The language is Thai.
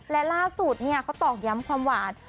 และล่าสุดเขาตอกย้ำความหวาน